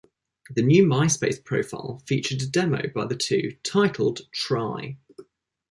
The new Myspace profile featured a demo by the two, titled Try.